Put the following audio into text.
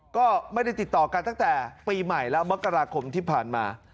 ก็ไม่ได้ติดต่อกันตั้งแต่ปีใหม่แล้วมกราคมที่ผ่านมา